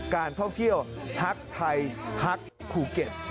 การท่องเที่ยวฮักไทยฮักภูเก็ต